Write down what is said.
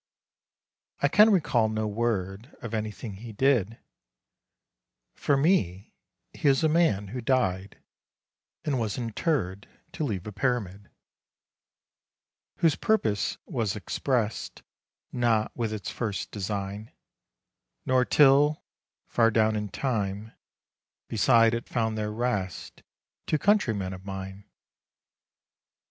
I can recall no word 5 Of anything he did; For me he is a man who died and was interred To leave a pyramid Whose purpose was exprest Not with its first design, 10 Nor till, far down in Time, beside it found their rest Two countrymen of mine.